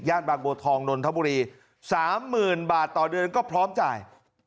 ย่านบางโบทองนนทบุรีสามหมื่นบาทต่อเดือนก็พร้อมจ่าย